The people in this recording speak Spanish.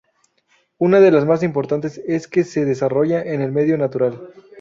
Una de las más importantes es que se desarrolla en el medio natural.